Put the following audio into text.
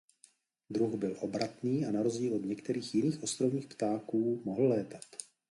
Druh byl obratný a na rozdíl od některých jiných ostrovních ptáků mohl létat.